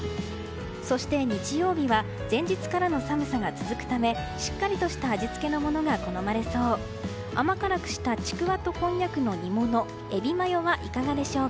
そして日曜日は前日からの寒さが続くためしっかりとした味付けのものが好まれそう。